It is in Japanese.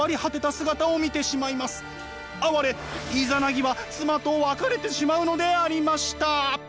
あわれイザナギは妻と別れてしまうのでありました。